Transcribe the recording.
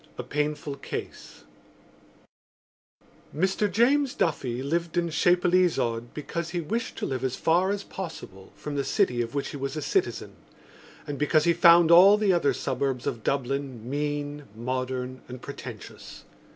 A PAINFUL CASE Mr James Duffy lived in Chapelizod because he wished to live as far as possible from the city of which he was a citizen and because he found all the other suburbs of Dublin mean, modern and pretentious.